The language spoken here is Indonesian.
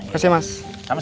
terima kasih mas